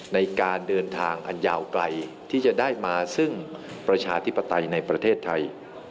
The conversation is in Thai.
ในการเดินทางอันยาวไกลที่จะได้มาซึ่งประชาธิปไตยในประเทศไทย